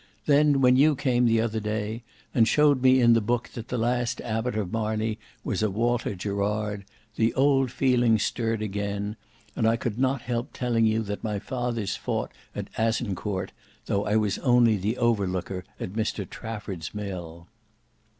Then when you came the other day, and showed me in the book that the last abbot of Marney was a Walter Gerard, the old feeling stirred again; and I could not help telling you that my fathers fought at Azincourt, though I was only the overlooker at Mr Trafford's mill."